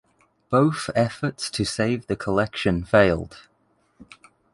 Both efforts to save the collection failed.